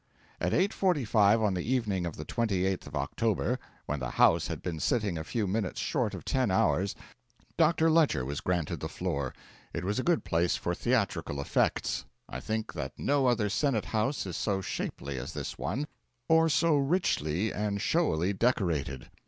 At 8.45 on the evening of the 28th of October, when the House had been sitting a few minutes short of ten hours, Dr. Lecher was granted the floor. It was a good place for theatrical effects. I think that no other Senate House is so shapely as this one, or so richly and showily decorated.